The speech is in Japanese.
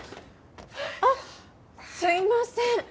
あっすいません。